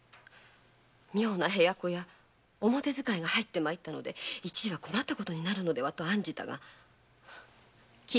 妙な部屋子や表使いが入って参ったので一時は困ったことになるのではと案じたが気味が悪いほど静かじゃ。